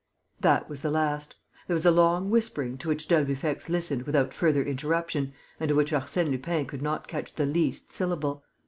That was the last. There was a long whispering to which d'Albufex listened without further interruption and of which Arsène Lupin could not catch the least syllable.